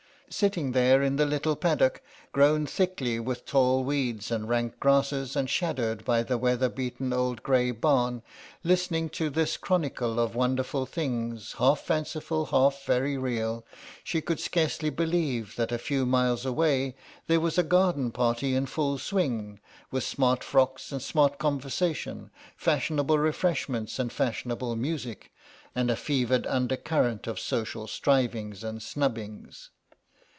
Sitting there in the little paddock, grown thickly with tall weeds and rank grasses, and shadowed by the weather beaten old grey barn, listening to this chronicle of wonderful things, half fanciful, half very real, she could scarcely believe that a few miles away there was a garden party in full swing, with smart frocks and smart conversation, fashionable refreshments and fashionable music, and a fevered undercurrent of social strivings and snubbings.